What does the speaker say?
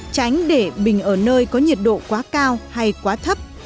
tránh để bình ở nơi có nhiệt độ quá cao hay quá thấp